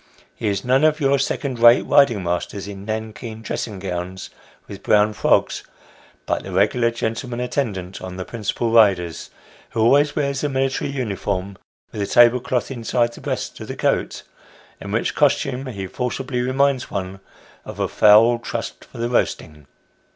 He is none of your second rate riding masters in nankeen dressing gowns, with brown frogs, but the regular gentleman attendant on the principal riders, who always wears a military uniform with a table cloth inside the breast of the coat, in which costume he forcibly reminds one of a fowl trussed for roasting.